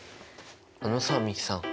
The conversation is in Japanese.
あのさ美樹さん